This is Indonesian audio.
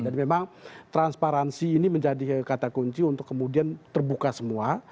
memang transparansi ini menjadi kata kunci untuk kemudian terbuka semua